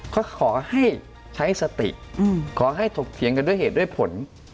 ก็ขอให้ใช้สติขอให้ถกเถียงกันด้วยเหตุด้วยผล